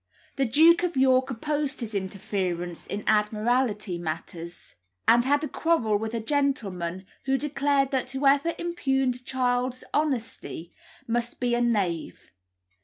The Duke of York opposed his interference in Admiralty matters, and had a quarrel with a gentleman who declared that whoever impugned Child's honesty must be a knave.